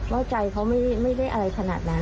ว่าใจเขาไม่ได้อะไรขนาดนั้น